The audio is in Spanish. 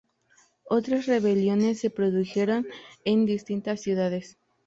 Otras rebeliones se produjeron en distintas ciudades.